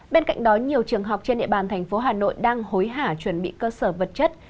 bên cạnh đó nhiều trường học trên địa bàn thành phố hà nội đang hối hả chuẩn bị cơ sở vật chất